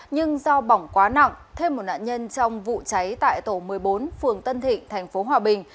nhưng do bỏng quá nặng thêm một nạn nhân trong vụ cháy tại tổ một mươi bốn phường tân thịnh tp hòa bình